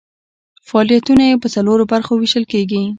فعالیتونه یې په څلورو برخو ویشل کیږي.